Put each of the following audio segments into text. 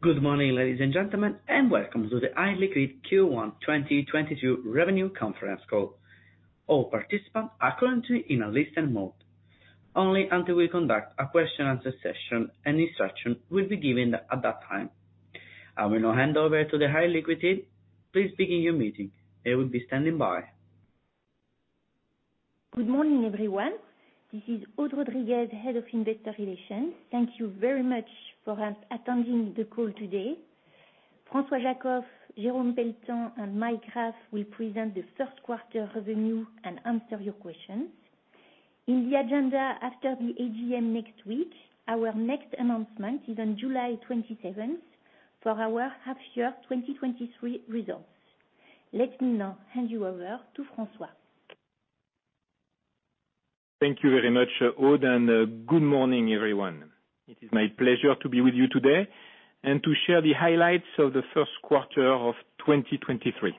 Good morning, ladies and gentlemen, and welcome to the Air Liquide Q1 2022 Revenue Conference Call. All participants are currently in a listen mode. Only until we conduct a question and answer session, an instruction will be given at that time. I will now hand over to the Air Liquide. Please begin your meeting. I will be standing by. Good morning, everyone. This is Aude Rodriguez, Head of Investor Relations. Thank you very much for attending the call today. François Jackow, Jérôme Pelletan, and Mike Graff will present the first quarter revenue and answer your questions. In the agenda after the AGM next week, our next announcement is on July 27th for our half year 2023 results. Let me now hand you over to François. Thank you very much, Aude, and good morning, everyone. It is my pleasure to be with you today and to share the highlights of the first quarter of 2023.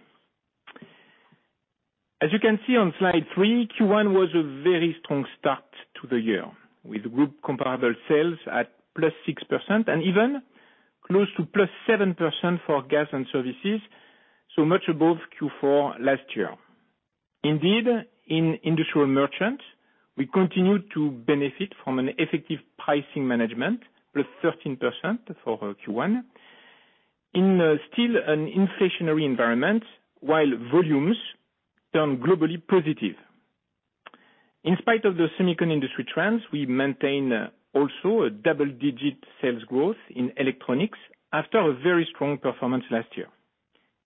As you can see on slide three Q1 was a very strong start to the year, with group comparable sales at +6% and even close to +7% for gas and services, so much above Q4 last year. In industrial merchant, we continue to benefit from an effective pricing management, +13% for Q1, in a still an inflationary environment, while volumes turn globally positive. In spite of the Semicon industry trends, we maintain also a double-digit sales growth in electronics after a very strong performance last year.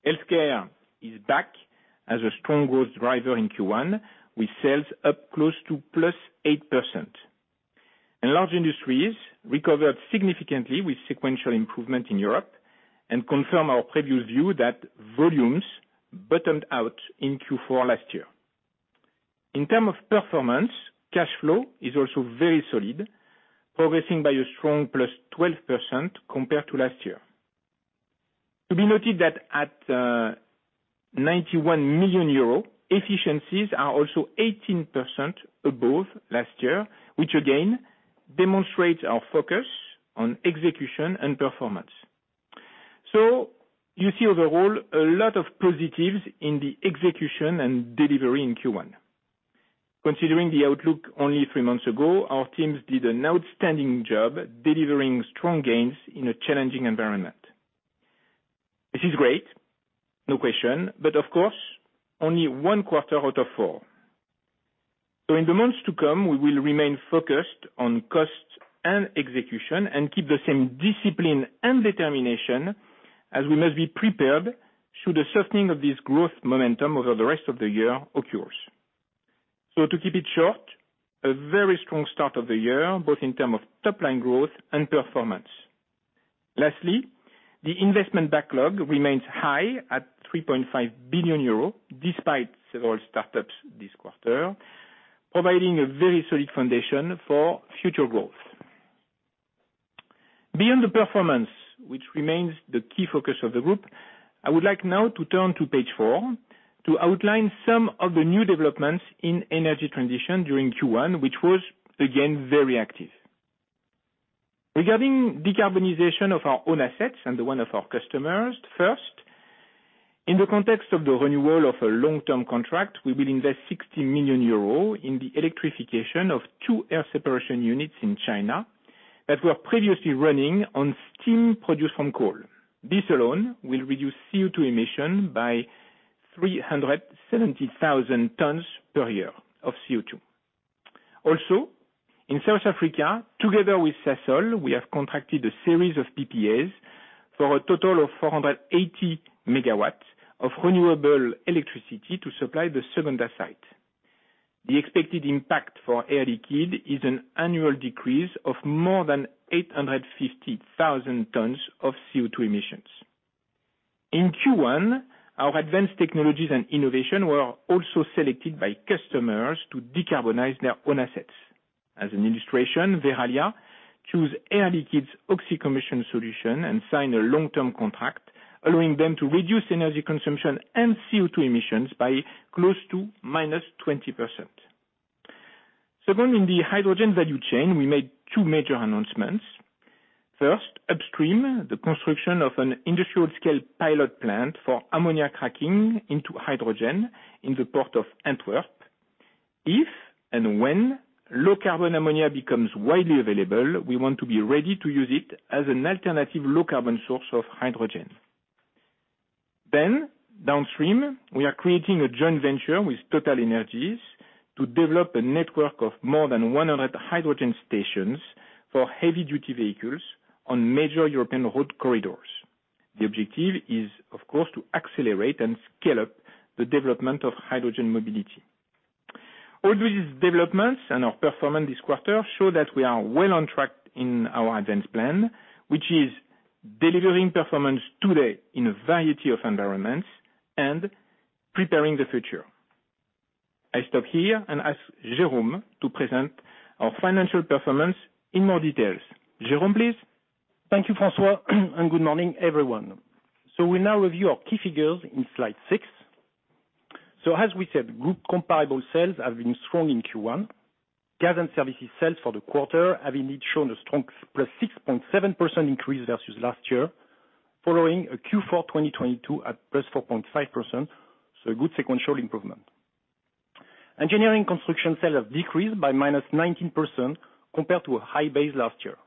Healthcare is back as a strong growth driver in Q1, with sales up close to +8%. In large industries, recovered significantly with sequential improvement in Europe and confirm our previous view that volumes buttoned out in Q4 last year. In terms of performance, cash flow is also very solid, progressing by a strong +12% compared to last year. To be noted that at 91 million euro, efficiencies are also 18% above last year, which again demonstrates our focus on execution and performance. You see overall a lot of positives in the execution and delivery in Q1. Considering the outlook only three months ago, our teams did an outstanding job delivering strong gains in a challenging environment. This is great, no question, of course, only one quarter out of four. In the months to come, we will remain focused on costs and execution and keep the same discipline and determination as we must be prepared should the softening of this growth momentum over the rest of the year occurs. To keep it short, a very strong start of the year, both in term of top-line growth and performance. The investment backlog remains high at 3.5 billion euros, despite several startups this quarter, providing a very solid foundation for future growth. The performance, which remains the key focus of the group, I would like now to turn to page four to outline some of the new developments in energy transition during Q1, which was again, very active. Regarding decarbonization of our own assets and the one of our customers first, in the context of the renewal of a long-term contract, we will invest 60 million euros in the electrification of two air separation units in China that were previously running on steam produced from coal. This alone will reduce CO2 emission by 370,000 tons per year of CO2. In South Africa, together with Sasol, we have contracted a series of PPAs for a total of 480 MW of renewable electricity to supply the Secunda site. The expected impact for Air Liquide is an annual decrease of more than 850,000 tons of CO2 emissions. In Q1, our advanced technologies and innovation were also selected by customers to decarbonize their own assets. As an illustration, Verallia choose Air Liquide's oxy-combustion solution and sign a long-term contract, allowing them to reduce energy consumption and CO2 emissions by close to -20%. Second, in the hydrogen value chain, we made two major announcements. First, upstream, the construction of an industrial scale pilot plant for ammonia cracking into hydrogen in the port of Antwerp. If and when low-carbon ammonia becomes widely available, we want to be ready to use it as an alternative low-carbon source of hydrogen. Downstream, we are creating a joint venture with TotalEnergies to develop a network of more than 100 hydrogen stations for heavy-duty vehicles on major European road corridors. The objective is, of course, to accelerate and scale up the development of hydrogen mobility. All these developments and our performance this quarter show that we are well on track in our ADVANCE plan, which is delivering performance today in a variety of environments and preparing the future. I stop here and ask Jérôme to present our financial performance in more details. Jérôme, please. Thank you, François, good morning, everyone. We now review our key figures in slide six. As we said, group comparable sales have been strong in Q1. Gas and services sales for the quarter have indeed shown a strong +6.7% increase versus last year, following a Q4 2022 at +4.5%. A good sequential improvement. Engineering construction sales have decreased by -19% compared to a high base last year.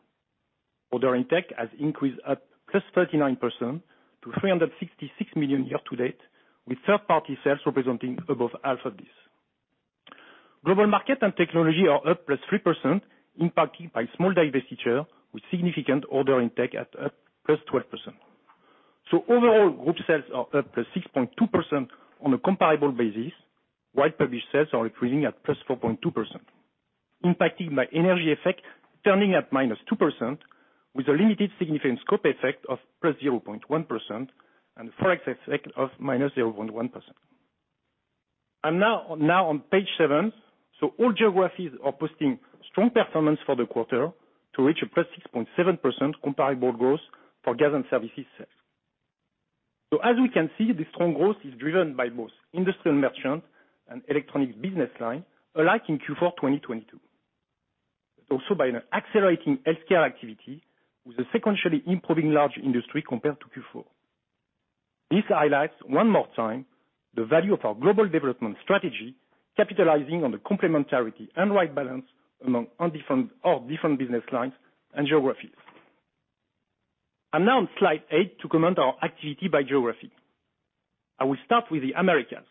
Order intake has increased at +39% to 366 million year to date, with third-party sales representing above half of this. Global market and technology are up +3%, impacted by small divestiture with significant order intake at up +12%. Overall, group sales are up +6.2% on a comparable basis, while published sales are increasing at +4.2%, impacting by energy effect turning at -2% with a limited significant scope effect of +0.1% and a forex effect of -0.1%. Now on page eight. All geographies are posting strong performance for the quarter to reach a +6.7% comparable growth for gas and services sales. As we can see, the strong growth is driven by both industrial merchant and electronic business line alike in Q4 2022. Also by an accelerating healthcare activity with a sequentially improving large industry compared to Q4. This highlights, one more time, the value of our global development strategy, capitalizing on the complementarity and right balance among our different business lines and geographies. Now on slide eight to comment our activity by geography. I will start with the Americas.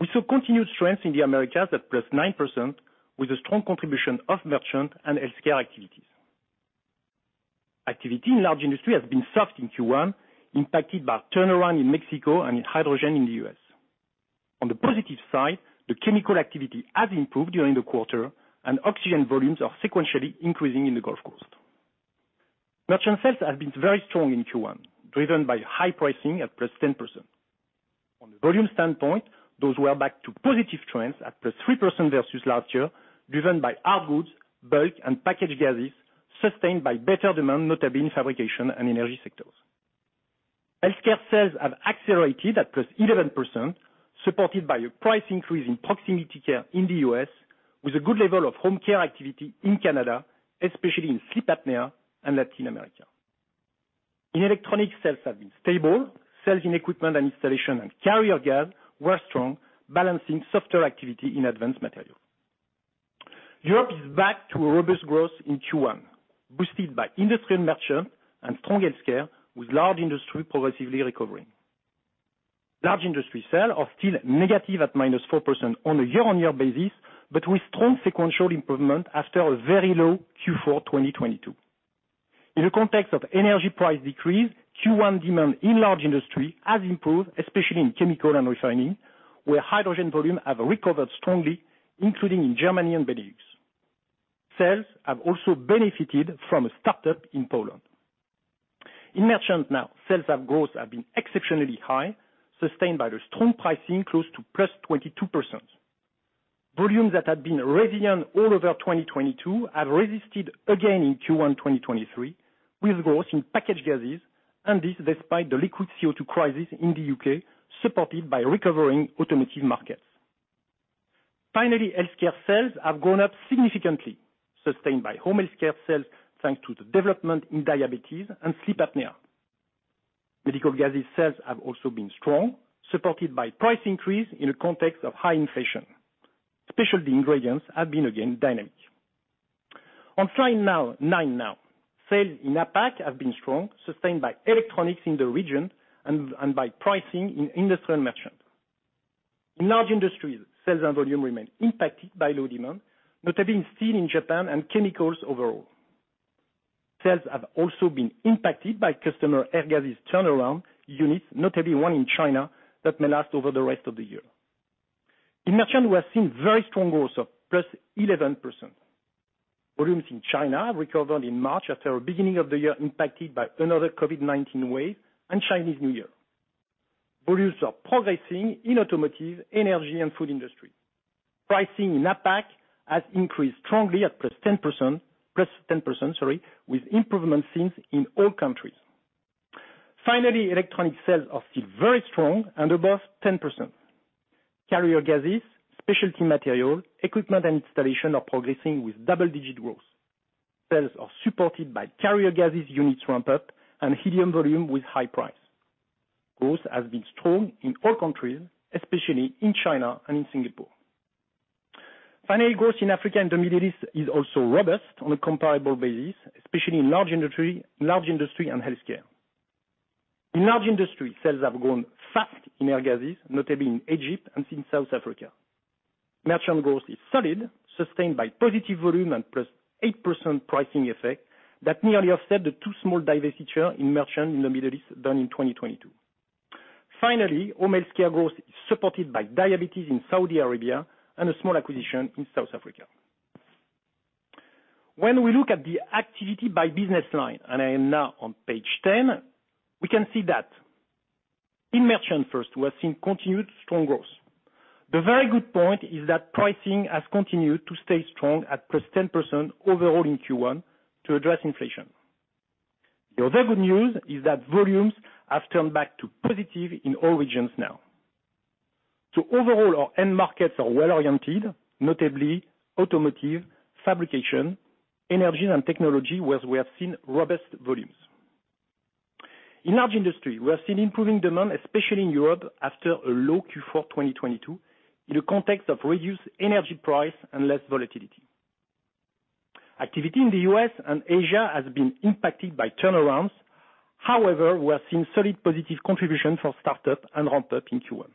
We saw continued strength in the Americas at +9% with a strong contribution of merchant and healthcare activities. Activity in large industry has been soft in Q1, impacted by turnaround in Mexico and in hydrogen in the U.S. On the positive side, the chemical activity has improved during the quarter, and oxygen volumes are sequentially increasing in the Gulf Coast. Merchant sales have been very strong in Q1, driven by high pricing at +10%. On the volume standpoint, those were back to positive trends at +3% versus last year, driven by our goods, bulk, and packaged gases sustained by better demand, notably in fabrication and energy sectors. Healthcare sales have accelerated at +11%, supported by a price increase in proximity care in the U.S. with a good level of home care activity in Canada, especially in sleep apnea and Latin America. In electronic sales have been stable. Sales in equipment and installation and carrier gas were strong, balancing softer activity in advanced materials. Europe is back to a robust growth in Q1, boosted by industry and merchant and strong healthcare, with large industry progressively recovering. Large industry sales are still negative at -4% on a year-on-year basis, but with strong sequential improvement after a very low Q4 2022. In the context of energy price decrease, Q1 demand in large industry has improved, especially in chemical and refining, where hydrogen volume have recovered strongly, including in Germany and Benelux. Sales have also benefited from a startup in Poland. In merchant now, sales growth have been exceptionally high, sustained by the strong pricing close to +22%. Volumes that had been resilient all over 2022 have resisted again in Q1 2023, with growth in packaged gases, and this despite the liquid CO2 crisis in the U.K., supported by recovering automotive markets. Finally, healthcare sales have gone up significantly, sustained by home healthcare sales, thanks to the development in diabetes and sleep apnea. Medical gases sales have also been strong, supported by price increase in the context of high inflation. Specialty ingredients have been, again, dynamic. On slide nine now. Sales in APAC have been strong, sustained by electronics in the region and by pricing in industrial and merchant. In large industries, sales and volume remain impacted by low demand, notably in steel in Japan and chemicals overall. Sales have also been impacted by customer air gases turnaround units, notably one in China that may last over the rest of the year. In merchant, we have seen very strong growth of +11%. Volumes in China recovered in March after beginning of the year impacted by another COVID-19 wave and Chinese New Year. Producers are progressing in automotive, energy, and food industry. Pricing in APAC has increased strongly at +10%, with improvement since in all countries. Electronic sales are still very strong and above 10%. Carrier gases, specialty material, equipment and installation are progressing with double-digit growth. Sales are supported by carrier gases units ramp up and helium volume with high price. Growth has been strong in all countries, especially in China and in Singapore. Growth in Africa and the Middle East is also robust on a comparable basis, especially in large industry and healthcare. In large industry, sales have grown fast in air gases, notably in Egypt and in South Africa. Merchant growth is solid, sustained by positive volume and +8% pricing effect that nearly offset the 2 small divestiture in merchant in the Middle East done in 2022. Home healthcare growth is supported by diabetes in Saudi Arabia and a small acquisition in South Africa. When we look at the activity by business line, and I am now on page 10, we can see that in merchant first, we have seen continued strong growth. The very good point is that pricing has continued to stay strong at +10% overall in Q1 to address inflation. The other good news is that volumes have turned back to positive in all regions now. Overall our end markets are well-oriented, notably automotive, fabrication, energy and technology, where we have seen robust volumes. In large industry, we have seen improving demand, especially in Europe, after a low Q4 2022, in a context of reduced energy price and less volatility. Activity in the U.S. and Asia has been impacted by turnarounds. However, we are seeing solid positive contribution for start up and ramp up in Q1.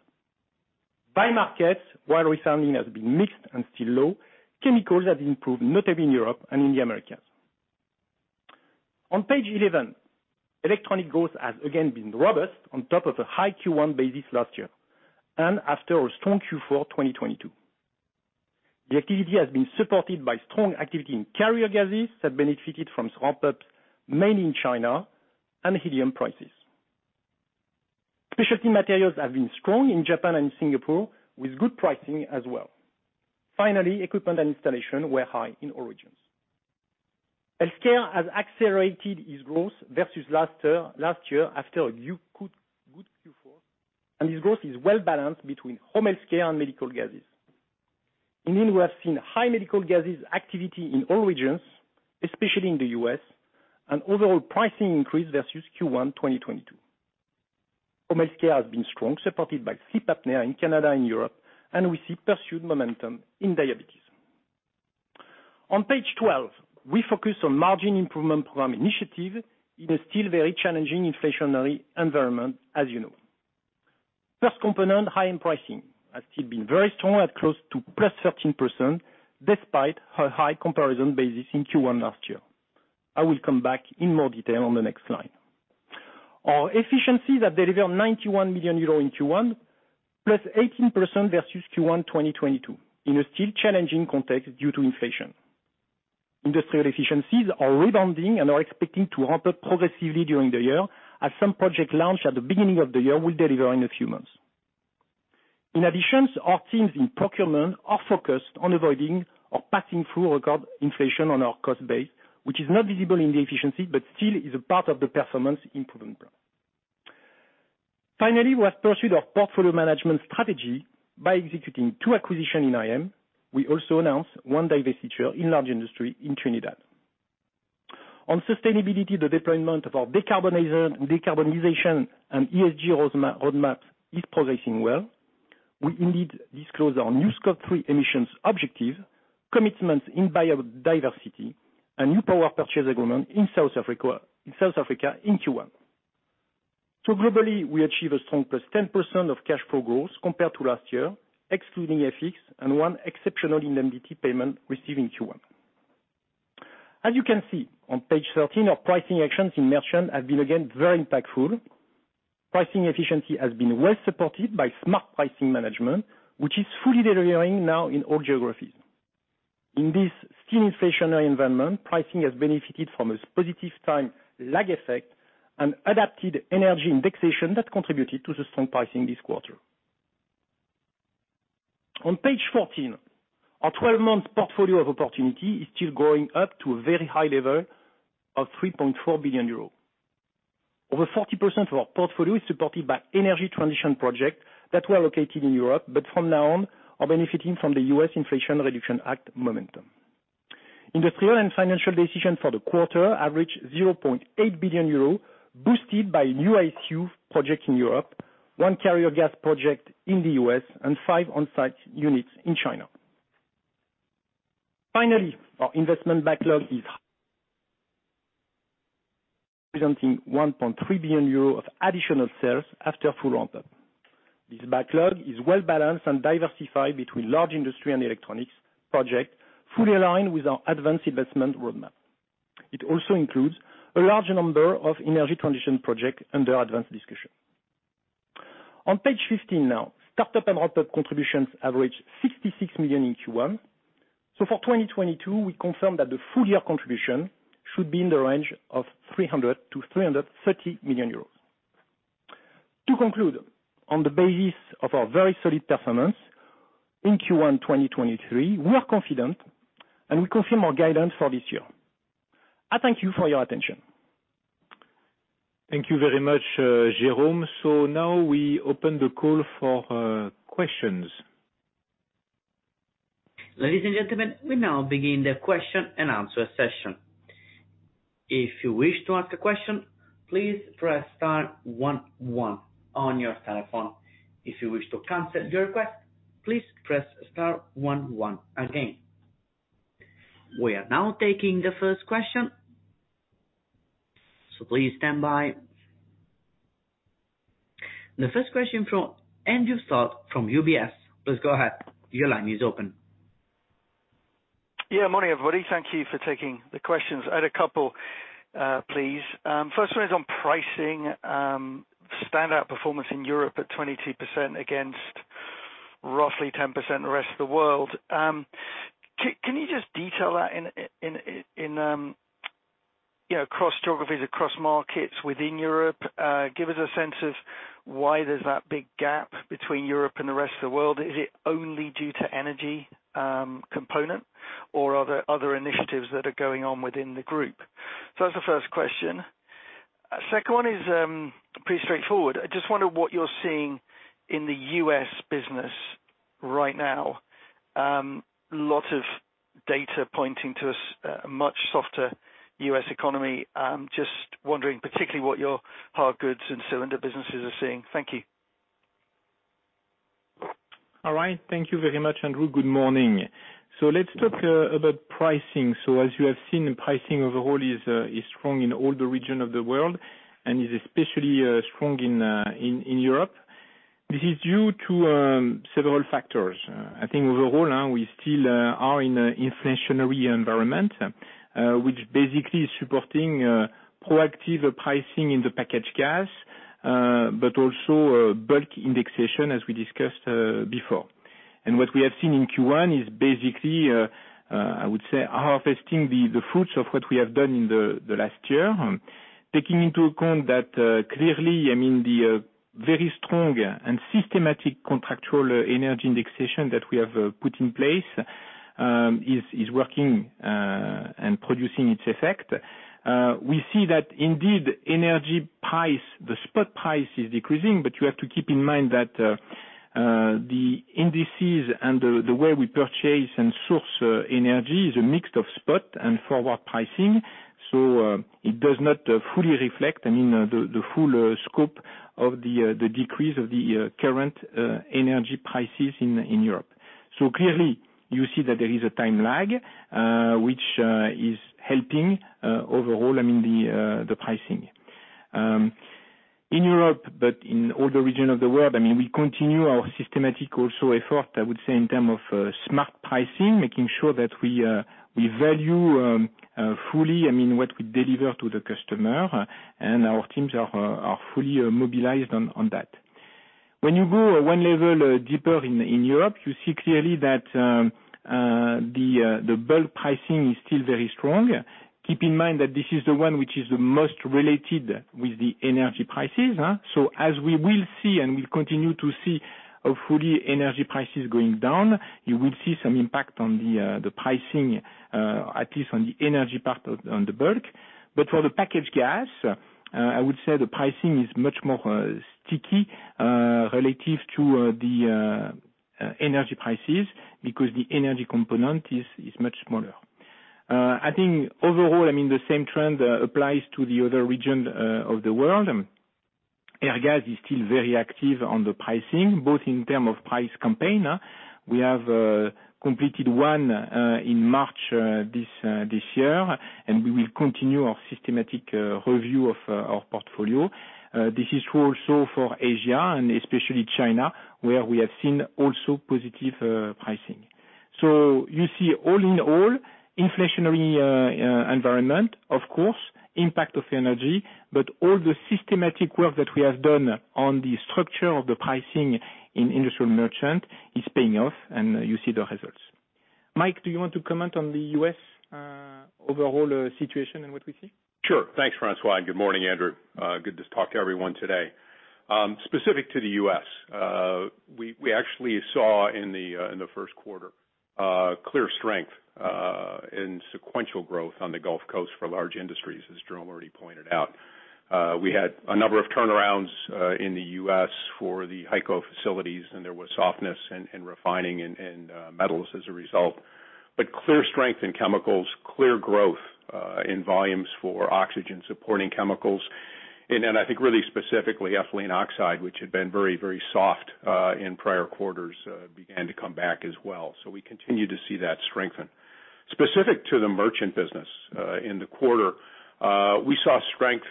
By markets, while resounding has been mixed and still low, chemicals have improved, notably in Europe and in the Americas. On page 11, Electronics growth has again been robust on top of a high Q1 basis last year and after a strong Q4 2022. The activity has been supported by strong activity in carrier gases, have benefited from ramp-ups, mainly in China and helium prices. Specialty materials have been strong in Japan and Singapore, with good pricing as well. Equipment and installation were high in all regions. Healthcare has accelerated its growth versus last year after a good Q4, and this growth is well balanced between home healthcare and medical gases. In India, we have seen high medical gases activity in all regions, especially in the US, an overall pricing increase versus Q1 2022. Home healthcare has been strong, supported by CPAP therapy in Canada and Europe, and we see pursued momentum in diabetes. On page 12, we focus on margin improvement program initiative in a still very challenging inflationary environment, as you know. First component, high-end pricing, has still been very strong at close to +13% despite a high comparison basis in Q1 last year. I will come back in more detail on the next slide. Our efficiencies have delivered 91 million euro in Q1, +18% versus Q1 2022 in a still challenging context due to inflation. Industrial efficiencies are rebounding and are expecting to ramp up progressively during the year, as some project launch at the beginning of the year will deliver in a few months. In addition, our teams in procurement are focused on avoiding or passing through record inflation on our cost base, which is not visible in the efficiency but still is a part of the performance improvement plan. Finally, we have pursued our portfolio management strategy by executing two acquisition in IM. We also announced one divestiture in large industry in Trinidad. On sustainability, the deployment of our decarbonization and ESG roadmap is progressing well. We indeed disclose our new Scope three emissions objective, commitments in biodiversity and new power purchase agreement in South Africa in Q1. Globally, we achieve a strong +10% of cash flow growth compared to last year, excluding FX and one exceptional indemnity payment received in Q1. As you can see on page 13, our pricing actions in merchant have been again very impactful. Pricing efficiency has been well supported by smart pricing management, which is fully delivering now in all geographies. In this still inflationary environment, pricing has benefited from a positive time lag effect and adapted energy indexation that contributed to the strong pricing this quarter. On page 14, our 12-month portfolio of opportunity is still growing up to a very high level of 34 billion euro. Over 40% of our portfolio is supported by energy transition projects that were located in Europe, but from now on are benefiting from the US Inflation Reduction Act momentum. Industrial and financial decisions for the quarter average 0.8 billion euro, boosted by new ICU project in Europe, one carrier gas project in the U.S. and five on-site units in China. Finally, our investment backlog is presenting 1.3 billion euros of additional sales after full ramp up. This backlog is well balanced and diversified between large industry and electronics project, fully aligned with our advanced investment roadmap. It also includes a large number of energy transition projects under advanced discussion. On page 15 now. Startup and ramp up contributions average 66 million in Q1. For 2022, we confirm that the full year contribution should be in the range of 300 million-330 million euros. To conclude, on the basis of our very solid performance in Q1 2023, we are confident and we confirm our guidance for this year. I thank you for your attention. Thank you very much, Jérôme. Now we open the call for questions. Ladies and gentlemen, we now begin the question and answer session. If you wish to ask a question, please press star one one on your telephone. If you wish to cancel your request, please press star one one again. We are now taking the first question, so please stand by. The first question from Andrew Stott from UBS. Please go ahead. Your line is open. Morning, everybody. Thank you for taking the questions. I had a couple, please. First one is on pricing, standout performance in Europe at 22% against roughly 10% the rest of the world. Can you just detail that in, you know, across geographies, across markets within Europe? Give us a sense of why there's that big gap between Europe and the rest of the world. Is it only due to energy, component or are there other initiatives that are going on within the group? That's the first question. Second one is, pretty straightforward. I just wonder what you're seeing in the U.S. business right now. Lot of data pointing to a much softer U.S. economy. Just wondering particularly what your hard goods and cylinder businesses are seeing. Thank you. All right. Thank you very much, Andrew. Good morning. Let's talk about pricing. As you have seen, pricing overall is strong in all the region of the world and is especially strong in Europe. This is due to several factors. I think overall now we still are in a inflationary environment, which basically is supporting proactive pricing in the packaged gas, but also bulk indexation as we discussed before. What we have seen in Q1 is basically, I would say harvesting the fruits of what we have done in the last year. Taking into account that, clearly, I mean, the very strong and systematic contractual energy indexation that we have put in place is working and producing its effect. We see that indeed energy price, the spot price is decreasing. You have to keep in mind that the indices and the way we purchase and source energy is a mix of spot and forward pricing. It does not fully reflect, I mean, the full scope of the decrease of the current energy prices in Europe. Clearly you see that there is a time lag, which is helping overall, I mean, the pricing. In Europe, but in all the region of the world, I mean, we continue our systematic also effort, I would say, in term of smart pricing, making sure that we value fully, I mean, what we deliver to the customer, and our teams are fully mobilized on that. When you go one level deeper in Europe, you see clearly that the bulk pricing is still very strong. Keep in mind that this is the one which is the most related with the energy prices. As we will see and we'll continue to see a fully energy prices going down, you will see some impact on the pricing, at least on the energy on the bulk. For the packaged gas, I would say the pricing is much more sticky relative to the energy prices because the energy component is much smaller. I think overall, I mean, the same trend applies to the other region of the world. Airgas is still very active on the pricing, both in term of price campaign. We have completed one in March this year, and we will continue our systematic review of our portfolio. This is true also for Asia and especially China, where we have seen also positive pricing. You see all in all inflationary environment, of course, impact of energy, but all the systematic work that we have done on the structure of the pricing in industrial merchant is paying off and you see the results. Mike, do you want to comment on the U.S., overall, situation and what we see? Sure. Thanks, François. Good morning, Andrew. Good to talk to everyone today. Specific to the U.S., we actually saw in the first quarter clear strength in sequential growth on the Gulf Coast for large industries, as Jérôme already pointed out. We had a number of turnarounds in the U.S. for the HyCO facilities, and there was softness in refining and metals as a result. Clear strength in chemicals, clear growth in volumes for oxygen supporting chemicals. I think really specifically ethylene oxide, which had been very, very soft in prior quarters, began to come back as well. We continue to see that strengthen. Specific to the merchant business, in the quarter, we saw strength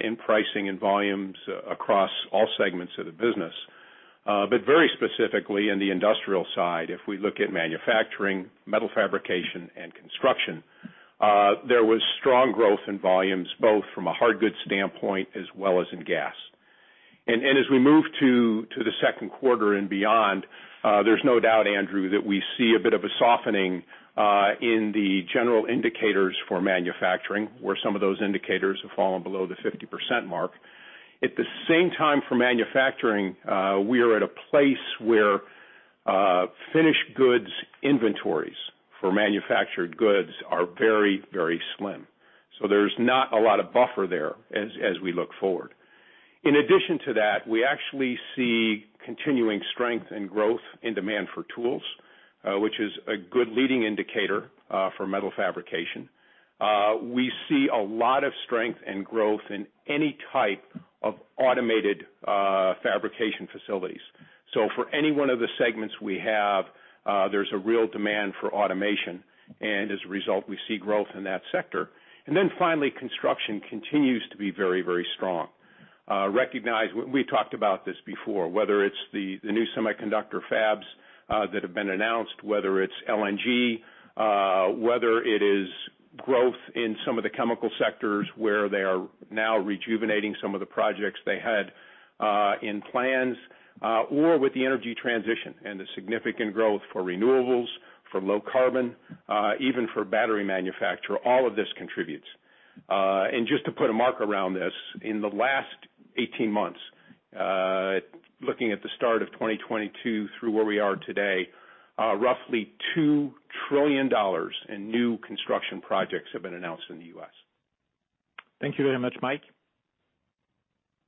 in pricing and volumes across all segments of the business. Very specifically in the industrial side, if we look at manufacturing, metal fabrication, and construction, there was strong growth in volumes both from a hard goods standpoint as well as in gas. As we move to the second quarter and beyond, there's no doubt, Andrew, that we see a bit of a softening in the general indicators for manufacturing, where some of those indicators have fallen below the 50% mark. At the same time, for manufacturing, we are at a place where finished goods inventories for manufactured goods are very, very slim. There's not a lot of buffer there as we look forward. In addition to that, we actually see continuing strength and growth in demand for tools, which is a good leading indicator for metal fabrication. We see a lot of strength and growth in any type of automated fabrication facilities. For any one of the segments we have, there's a real demand for automation, and as a result, we see growth in that sector. Finally, construction continues to be very, very strong. We talked about this before, whether it's the new semiconductor fabs that have been announced, whether it's LNG, whether it is growth in some of the chemical sectors where they are now rejuvenating some of the projects they had in plans, or with the energy transition and the significant growth for renewables, for low carbon, even for battery manufacture, all of this contributes. Just to put a mark around this, in the last 18 months, looking at the start of 2022 through where we are today, roughly $2 trillion in new construction projects have been announced in the U.S. Thank you very much, Mike.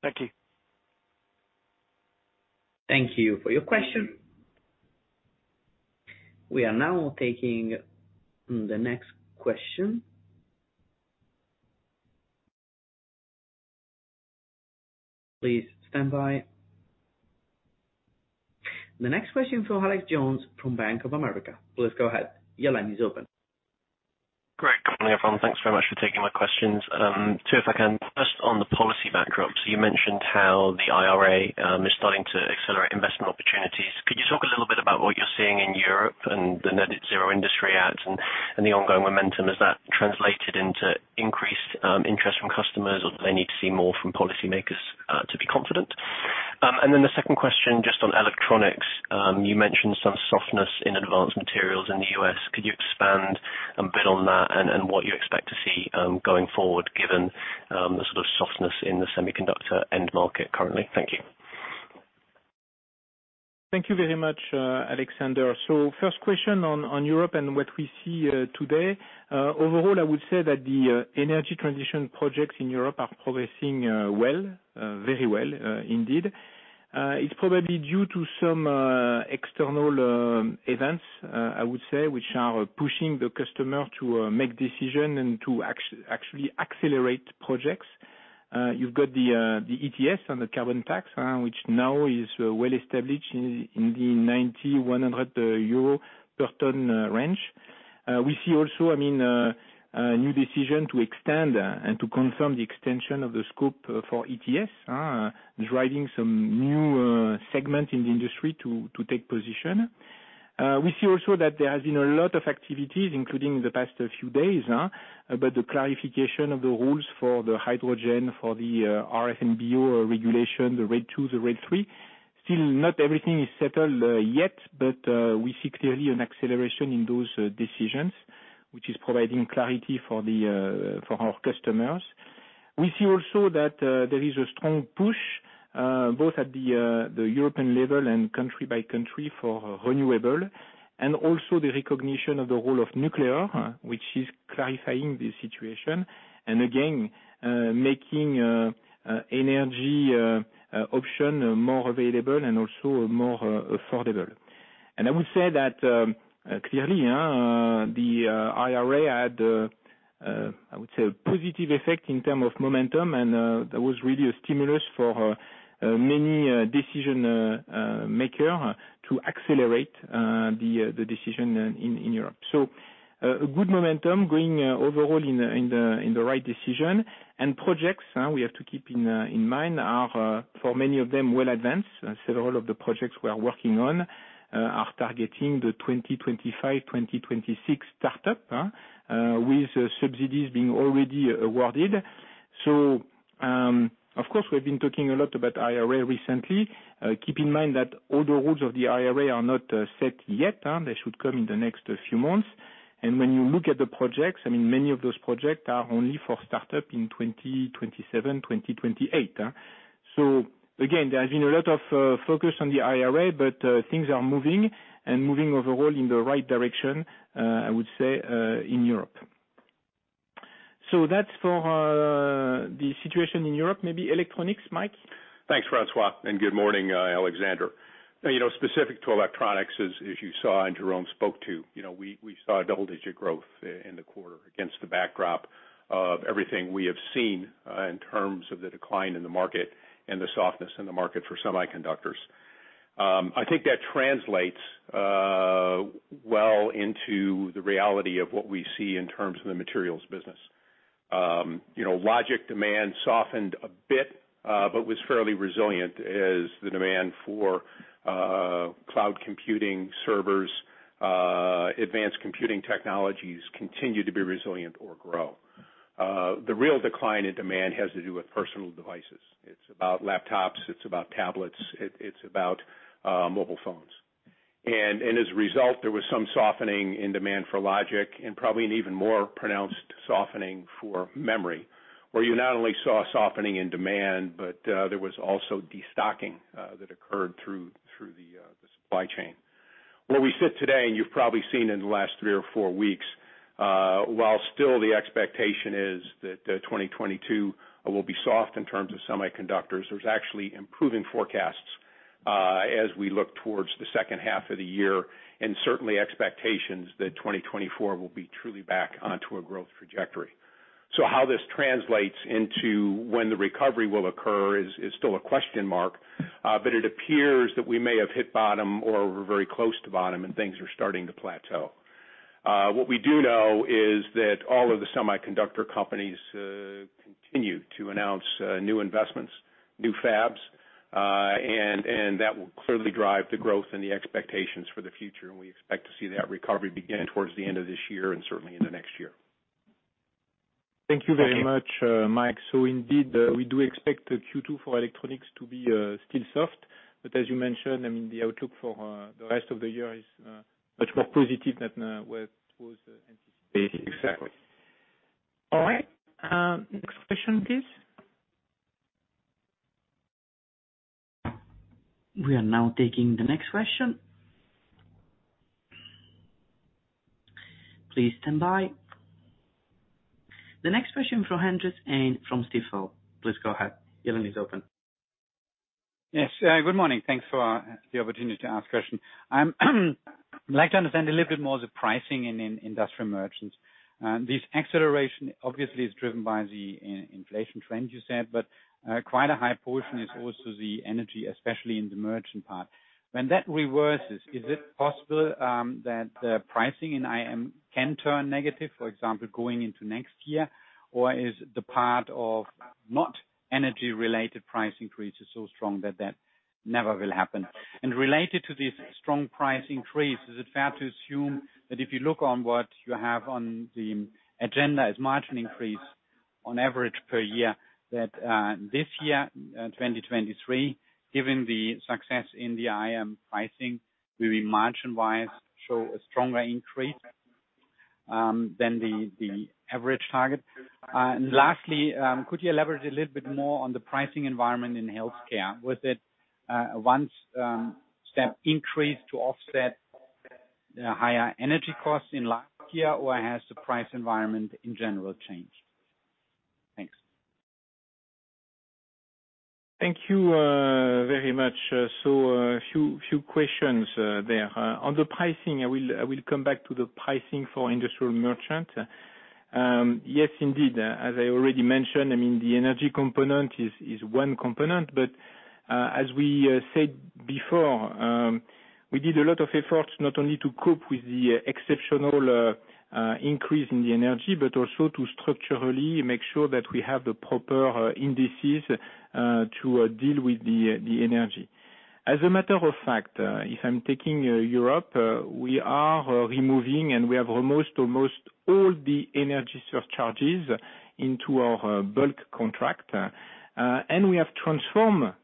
Thank you. Thank you for your question. We are now taking the next question. Please stand by. The next question from Alex Jones from Bank of America. Please go ahead. Your line is open. Great. Good morning, everyone. Thanks very much for taking my questions. Two, if I can. First, on the policy backdrop, you mentioned how the IRA is starting to accelerate investment opportunities. Could you talk a little bit about what you're seeing in Europe and the Net-Zero Industry Act and the ongoing momentum? Has that translated into increased interest from customers, or do they need to see more from policymakers to be confident? The second question just on electronics. You mentioned some softness in advanced materials in the U.S. Could you expand a bit on that and what you expect to see going forward, given the sort of softness in the semiconductor end market currently? Thank you. Thank you very much, Alexander. First question on Europe and what we see today. Overall, I would say that the energy transition projects in Europe are progressing well, very well indeed. It's probably due to some external events, I would say, which are pushing the customer to make decision and to actually accelerate projects. You've got the ETS and the carbon tax, which now is well established in the 90-100 euro per ton range. We see also, I mean, a new decision to extend and to confirm the extension of the scope for ETS, driving some new segments in the industry to take position. We see also that there has been a lot of activities, including the past few days, about the clarification of the rules for the hydrogen, for the RFNBO regulation, the RED II, the RED III. Still, not everything is settled yet, but we see clearly an acceleration in those decisions, which is providing clarity for our customers. We see also that there is a strong push both at the European level and country by country for renewable and also the recognition of the role of nuclear, which is clarifying the situation and again making energy option more available and also more affordable. I would say that, clearly, the IRA had, I would say, a positive effect in term of momentum, and that was really a stimulus for many decision maker to accelerate the decision in Europe. A good momentum going overall in the right decision. Projects, we have to keep in mind are, for many of them, well advanced. I said all of the projects we are working on, are targeting the 2025, 2026 startup, with subsidies being already awarded. Of course, we've been talking a lot about IRA recently. Keep in mind that all the rules of the IRA are not set yet. They should come in the next few months. When you look at the projects, I mean, many of those projects are only for startup in 2027, 2028. Again, there has been a lot of focus on the IRA, but things are moving and moving overall in the right direction, I would say, in Europe. That's for the situation in Europe, maybe electronics, Mike. Thanks, François, good morning, Alexander. You know, specific to electronics, as you saw and Jérôme spoke to, you know, we saw a double-digit growth in the quarter against the backdrop of everything we have seen in terms of the decline in the market and the softness in the market for semiconductors. I think that translates well into the reality of what we see in terms of the materials business. You know, logic demand softened a bit, but was fairly resilient as the demand for cloud computing servers, advanced computing technologies continue to be resilient or grow. The real decline in demand has to do with personal devices. It's about laptops, it's about tablets, it's about mobile phones. As a result, there was some softhening in demand for logic and probably an even more pronounced softening for memory, where you not only saw a softening in demand, but there was also destocking that occurred through the supply chain. Where we sit today, you've probably seen in the last three or four weeks, while still the expectation is that 2022 will be soft in terms of semiconductors, there's actually improving forecasts as we look towards the second half of the year, certainly expectations that 2024 will be truly back onto a growth trajectory. How this translates into when the recovery will occur is still a question mark, but it appears that we may have hit bottom or we're very close to bottom and things are starting to plateau. What we do know is that all of the semiconductor companies continue to announce new investments, new fabs, and that will clearly drive the growth and the expectations for the future. We expect to see that recovery begin towards the end of this year and certainly in the next year. Thank you very much, Mike. Indeed, we do expect the Q2 for Electronics to be still soft. As you mentioned, I mean, the outlook for the rest of the year is much more positive than what was anticipated. Exactly. All right. Next question, please. We are now taking the next question. Please stand by. The next question from Andreas Heine from Stifel. Please go ahead. Your line is open. Yes. Good morning. Thanks for the opportunity to ask question. Like to understand a little bit more the pricing in industrial merchants. This acceleration obviously is driven by the inflation trends you said, but quite a high portion is also the energy, especially in the merchant part. When that reverses, is it possible that the pricing in IM can turn negative, for example, going into next year? Or is the part of not energy related price increase is so strong that that never will happen? Related to this strong price increase, is it fair to assume that if you look on what you have on the agenda as margin increase on average per year, that this year, 2023, given the success in the IM pricing will be margin wise, show a stronger increase than the average target? Lastly, could you elaborate a little bit more on the pricing environment in healthcare? Was it a once step increase to offset the higher energy costs in last year, or has the price environment in general changed? Thanks. Thank you very much. A few questions there. On the pricing, I will come back to the pricing for industrial merchant. Yes, indeed. As I already mentioned, I mean, the energy component is one component. As we said before, we did a lot of efforts not only to cope with the exceptional increase in the energy, but also to structurally make sure that we have the proper indices to deal with the energy. As a matter of fact, if I'm taking Europe, we are removing and we have almost all the energy surcharges into our bulk contract, and we have transformed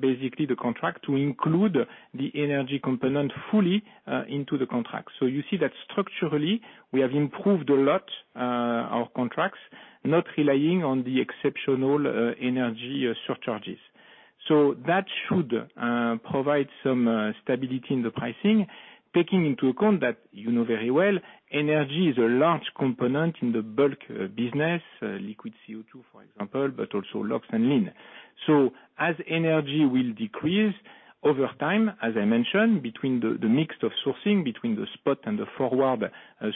basically the contract to include the energy component fully into the contract. You see that structurally we have improved a lot, our contracts, not relying on the exceptional, energy surcharges. That should provide some stability in the pricing, taking into account that you know very well energy is a large component in the bulk business. Liquid CO2, for example, but also LOX and LIN. As energy will decrease over time, as I mentioned, between the mix of sourcing between the spot and the forward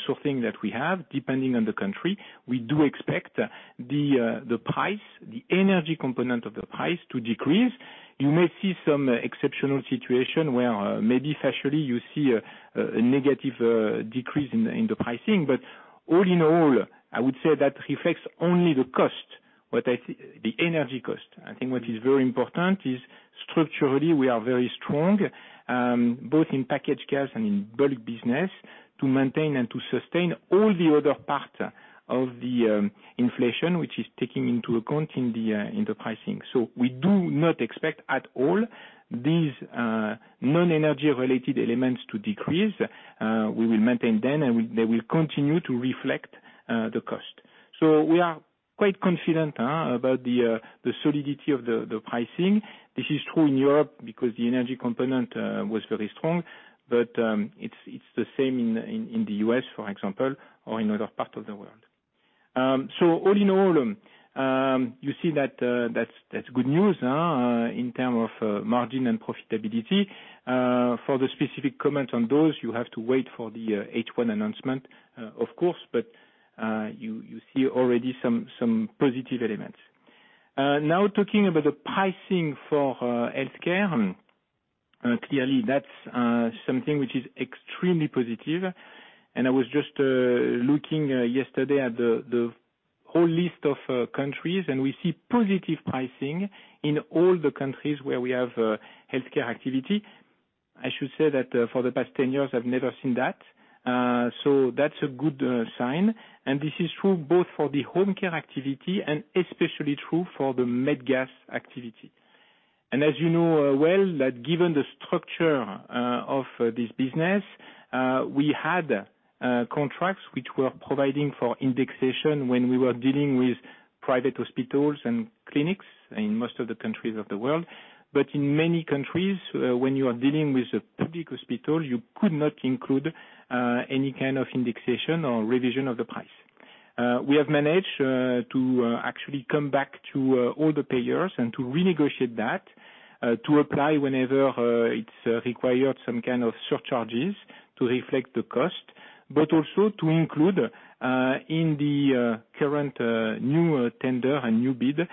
sourcing that we have, depending on the country, we do expect the price, the energy component of the price to decrease. You may see some exceptional situation where maybe factually you see a negative decrease in the pricing. All in all, I would say that reflects only the cost, what I see, the energy cost. I think what is very important is structurally we are very strong, both in packaged gas and in bulk business, to maintain and to sustain all the other parts of the inflation which is taking into account in the pricing. We do not expect at all these non-energy related elements to decrease. We will maintain them and they will continue to reflect the cost. We are quite confident about the solidity of the pricing. This is true in Europe because the energy component was very strong, but it's the same in the U.S., for example, or in other parts of the world. All in all, you see that that's good news in terms of margin and profitability. For the specific comments on those, you have to wait for the H1 announcement, of course, but you see already some positive elements. Now talking about the pricing for healthcare, clearly that's something which is extremely positive. I was just looking yesterday at the whole list of countries, and we see positive pricing in all the countries where we have healthcare activity. I should say that for the past 10 years, I've never seen that. That's a good sign. This is true both for the home care activity and especially true for the med gas activity. As you know well, that given the structure of this business, we had contracts which were providing for indexation when we were dealing with private hospitals and clinics in most of the countries of the world. In many countries, when you are dealing with a public hospital, you could not include any kind of indexation or revision of the price. We have managed to actually come back to all the payers and to renegotiate that to apply whenever it's required some kind of surcharges to reflect the cost, but also to include in the current new tender and new bid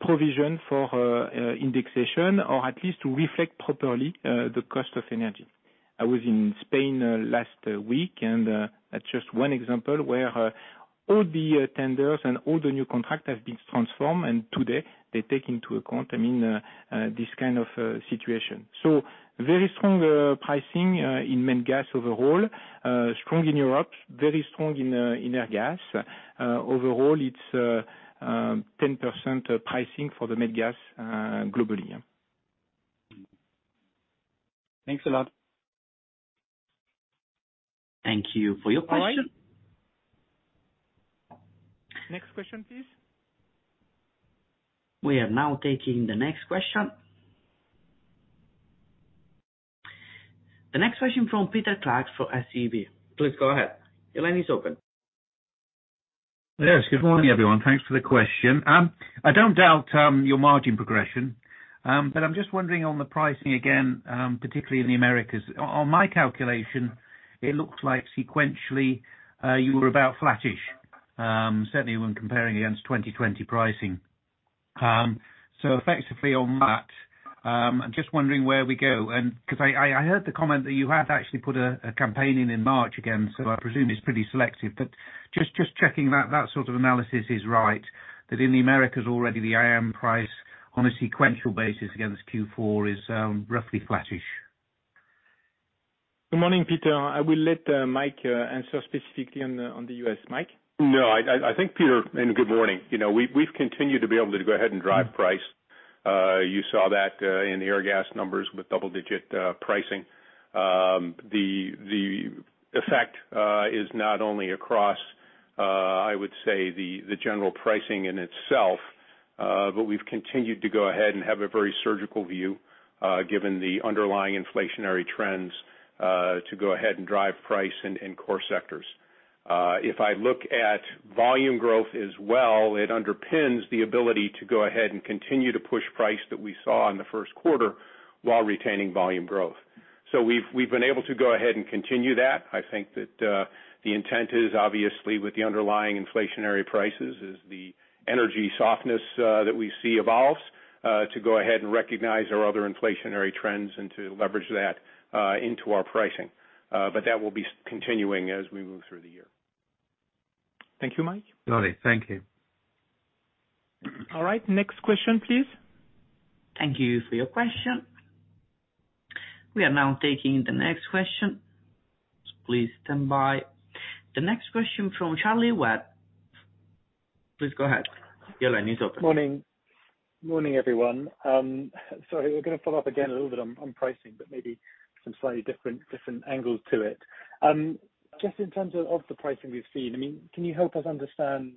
provision for indexation, or at least to reflect properly the cost of energy. I was in Spain, last week. That's just one example where all the tenders and all the new contract have been transformed. Today they take into account, I mean, this kind of situation. Very strong pricing in med gas overall, strong in Europe, very strong in air gas. Overall it's 10% pricing for the med gas globally. Thanks a lot. Thank you for your question. All right. Next question, please. We are now taking the next question. The next question from Peter Clark for SEB. Please go ahead. Your line is open. Yes. Good morning, everyone. Thanks for the question. I don't doubt your margin progression, but I'm just wondering on the pricing again, particularly in the Americas. On my calculation, it looks like sequentially, you were about flattish, certainly when comparing against 2020 pricing. Effectively on that, I'm just wondering where we go. Cause I heard the comment that you had actually put a campaign in March again, so I presume it's pretty selective. Just checking that that sort of analysis is right that in the Americas already the IM price on a sequential basis against Q4 is roughly flattish. Good morning, Peter. I will let Mike answer specifically on the US. Mike? I think Peter, good morning. You know, we've continued to be able to go ahead and drive price. You saw that in the Airgas numbers with double-digit pricing. The effect is not only across, I would say the general pricing in itself, but we've continued to go ahead and have a very surgical view, given the underlying inflationary trends, to go ahead and drive price in core sectors. If I look at volume growth as well, it underpins the ability to go ahead and continue to push price that we saw in the first quarter while retaining volume growth. We've been able to go ahead and continue that. I think that, the intent is obviously with the underlying inflationary prices is the energy softness, that we see evolves, to go ahead and recognize our other inflationary trends and to leverage that, into our pricing. That will be continuing as we move through the year. Thank you, Mike. Got it. Thank you. All right. Next question, please. Thank you for your question. We are now taking the next question. Please stand by. The next question from Charlie Webb. Please go ahead. Your line is open. Morning, everyone. Sorry, we're gonna follow up again a little bit on pricing, but maybe some slightly different angles to it. Just in terms of the pricing we've seen, I mean, can you help us understand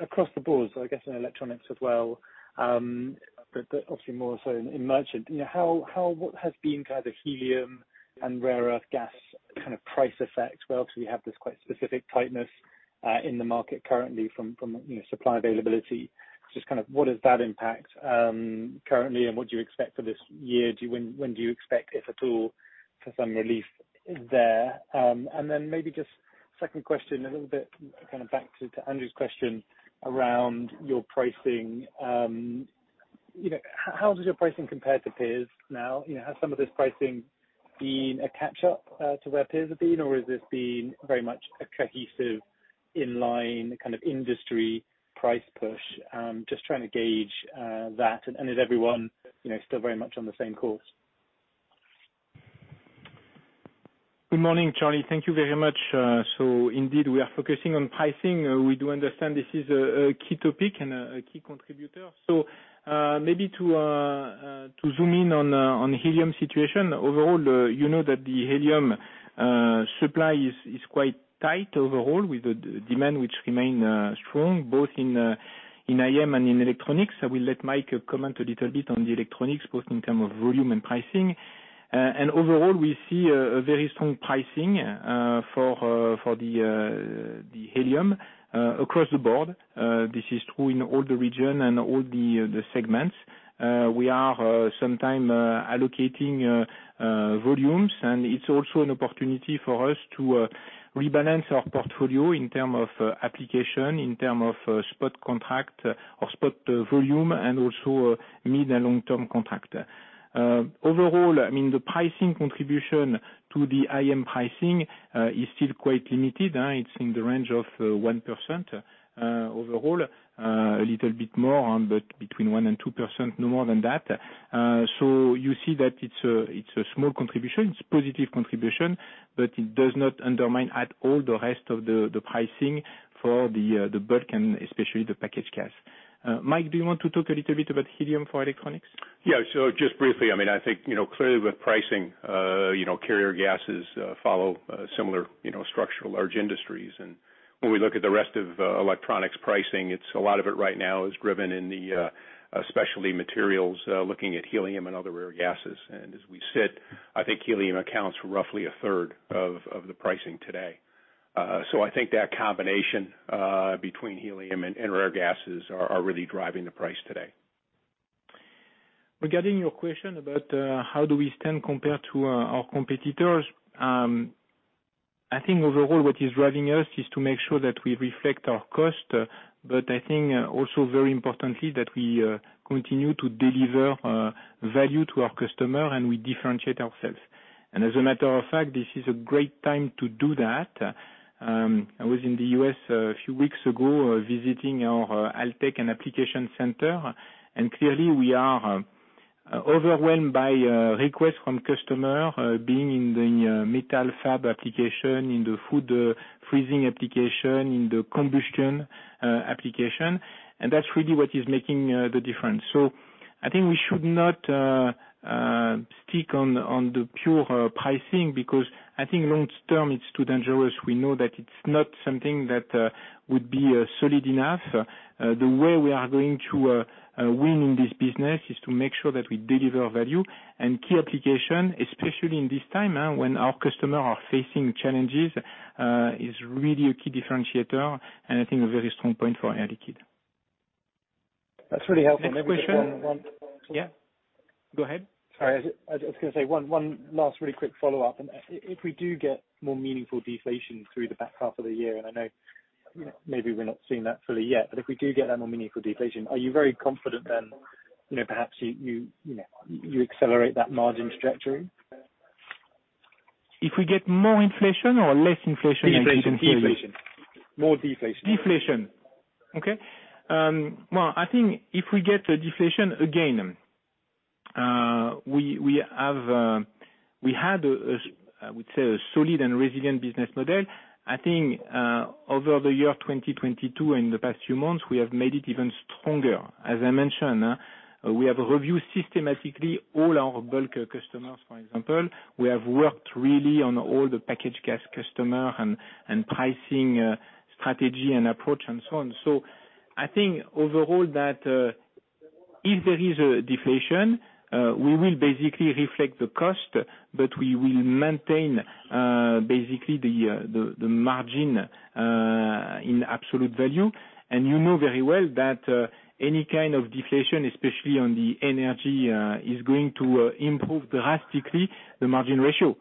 across the board, so I guess in electronics as well, but obviously more so in merchant, you know, what has been kind of the helium and rare earth gas kind of price effect where obviously we have this quite specific tightness in the market currently from, you know, supply availability? Just kind of what is that impact currently, and what do you expect for this year? When do you expect, if at all, for some relief there? Maybe just second question, a little bit kind of back to Andrew's question around your pricing. you know, how does your pricing compare to peers now? You know, has some of this pricing been a catch up to where peers have been, or has this been very much a cohesive inline kind of industry price push? Just trying to gauge that. Is everyone, you know, still very much on the same course? Good morning, Charlie. Thank you very much. Indeed, we are focusing on pricing. We do understand this is a key topic and a key contributor. Maybe to zoom in on helium situation. Overall, you know that the helium supply is quite tight overall with the demand which remain strong both in IM and in electronics. I will let Mike comment a little bit on the electronics, both in term of volume and pricing. Overall, we see a very strong pricing for the helium across the board. This is true in all the region and all the segments. We are sometime allocating volumes, and it's also an opportunity for us to rebalance our portfolio in term of application, in term of spot contract or spot volume and also mid and long-term contract. Overall, I mean, the pricing contribution to the IM pricing is still quite limited. It's in the range of 1% overall. A little bit more, but between 1%-2%, no more than that. You see that it's a, it's a small contribution, it's positive contribution, but it does not undermine at all the rest of the pricing for the bulk and especially the packaged gas. Mike, do you want to talk a little bit about helium for electronics? Yeah. Just briefly, I mean, I think, you know, clearly with pricing, you know, carrier gases, follow similar, you know, structural large industries. When we look at the rest of electronics pricing, it's a lot of it right now is driven in the specialty materials, looking at helium and other rare gases. As we sit, I think helium accounts for roughly a third of the pricing today. I think that combination between helium and rare gases are really driving the price today. Regarding your question about how do we stand compared to our competitors, I think overall what is driving us is to make sure that we reflect our cost. I think also very importantly, that we continue to deliver value to our customer and we differentiate ourselves. As a matter of fact, this is a great time to do that. I was in the U.S. a few weeks ago, visiting our ALTEC and Application Center. Clearly, we are overwhelmed by requests from customer being in the metal fab application, in the food freezing application, in the combustion application, and that's really what is making the difference. I think we should not stick on the pure pricing because I think long-term it's too dangerous. We know that it's not something that would be solid enough. The way we are going to win in this business is to make sure that we deliver value and key application, especially in this time, when our customer are facing challenges, is really a key differentiator, and I think a very strong point for Air Liquide. That's really helpful. Maybe. Next question. Yeah. Go ahead. Sorry. I was gonna say one last really quick follow-up. If we do get more meaningful deflation through the back half of the year, and I know maybe we're not seeing that fully yet, but if we do get that more meaningful deflation, are you very confident then, you know, perhaps you know, you accelerate that margin trajectory? If we get more inflation or less inflation? I didn't hear you. Deflation. Deflation. More deflation. Deflation. Okay. Well, I think if we get a deflation again, we have, we had a, I would say, a solid and resilient business model. I think, over the year 2022 and the past few months, we have made it even stronger. As I mentioned, we have reviewed systematically all our bulk customers, for example. We have worked really on all the package gas customer and pricing, strategy and approach and so on. I think overall that, if there is a deflation, we will basically reflect the cost, but we will maintain, basically the margin, in absolute value. You know very well that, any kind of deflation, especially on the energy, is going to improve drastically the margin ratio,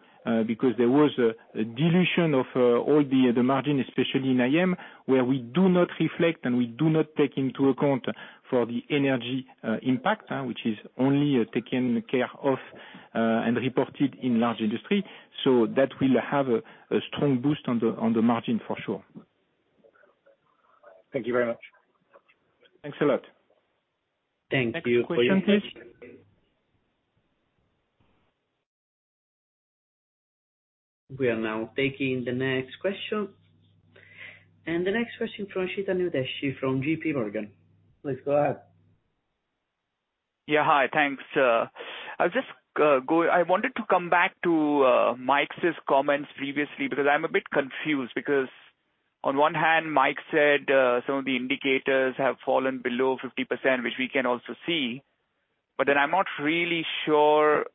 because there was a dilution of all the margin, especially in IM, where we do not reflect and we do not take into account for the energy, impact, which is only taken care of, and reported in large industry. That will have a strong boost on the, on the margin for sure. Thank you very much. Thanks a lot. Thank you for your interest. Next question. We are now taking the next question. The next question from Chetan Udeshi from JPMorgan. Please go ahead. Yeah. Hi, thanks, I wanted to come back to Mike's comments previously, because I'm a bit confused because on one hand, Mike said, some of the indicators have fallen below 50%, which we can also see. I'm not really sure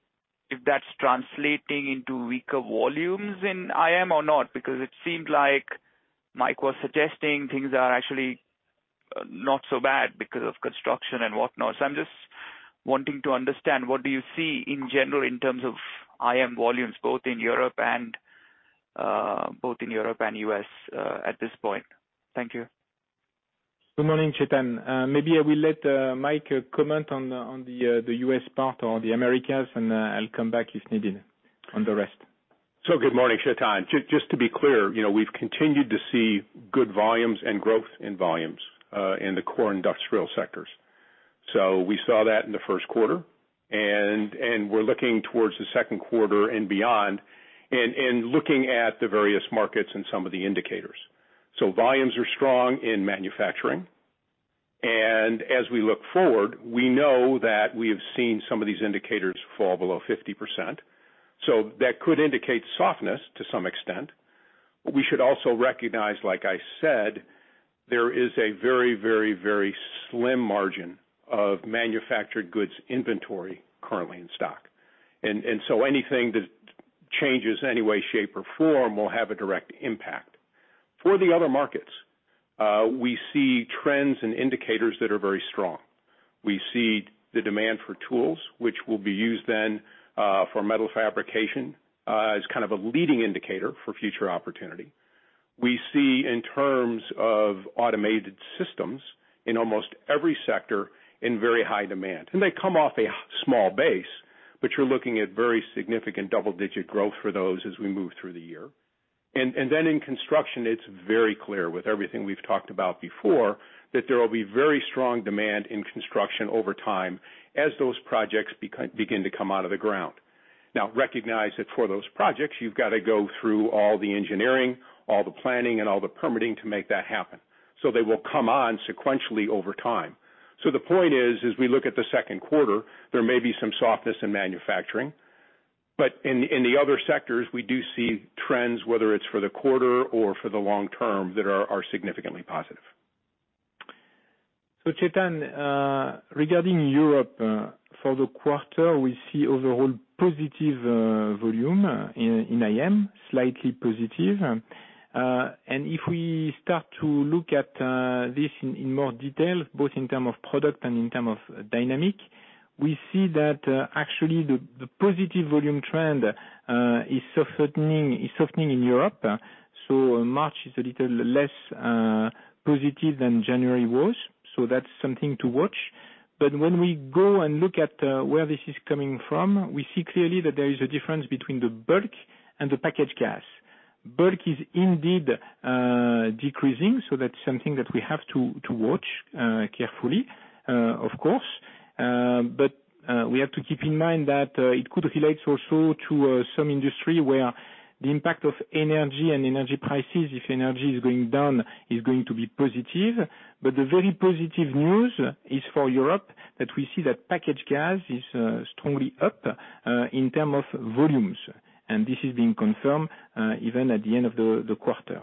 if that's translating into weaker volumes in IM or not, because it seemed like Mike was suggesting things are actually not so bad because of construction and whatnot. I'm just wanting to understand what do you see in general in terms of IM volumes, both in Europe and U.S. at this point. Thank you. Good morning, Chetan. Maybe I will let Mike comment on the U.S. part or the Americas, and I'll come back if needed on the rest. Good morning, Chetan. Just to be clear, you know, we've continued to see good volumes and growth in volumes in the core industrial sectors. We saw that in the first quarter, and we're looking towards the second quarter and beyond and looking at the various markets and some of the indicators. Volumes are strong in manufacturing. As we look forward, we know that we have seen some of these indicators fall below 50%, so that could indicate softness to some extent. We should also recognize, like I said, there is a very slim margin of manufactured goods inventory currently in stock. Anything that changes any way, shape, or form will have a direct impact. For the other markets, we see trends and indicators that are very strong. We see the demand for tools which will be used then, for metal fabrication, as kind of a leading indicator for future opportunity. We see in terms of automated systems in almost every sector in very high demand. They come off a small base, but you're looking at very significant double-digit growth for those as we move through the year. Then in construction, it's very clear with everything we've talked about before, that there will be very strong demand in construction over time as those projects begin to come out of the ground. Recognize that for those projects, you've got to go through all the engineering, all the planning, and all the permitting to make that happen. They will come on sequentially over time. The point is, as we look at the second quarter, there may be some softness in manufacturing, but in the other sectors, we do see trends, whether it's for the quarter or for the long term, that are significantly positive. Chetan, regarding Europe, for the quarter, we see overall positive volume in IM, slightly positive. If we start to look at this in more detail, both in term of product and in term of dynamic, we see that actually the positive volume trend is softening in Europe. March is a little less positive than January was. That's something to watch. When we go and look at where this is coming from, we see clearly that there is a difference between the bulk and the package gas. Bulk is indeed decreasing, that's something that we have to watch carefully, of course. We have to keep in mind that it could relate also to some industry where the impact of energy and energy prices, if energy is going down, is going to be positive. But the very positive news is for Europe, that we see that packaged gas is strongly up in terms of volumes, and this is being confirmed even at the end of the quarter.